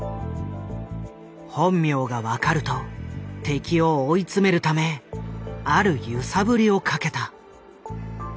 本名が分かると敵を追い詰めるためある揺さぶりをかけた。